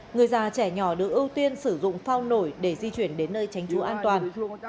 người già trẻ nhỏ được ưu tiên sử dụng phao nổi để di chuyển đến nơi tránh trú an toàn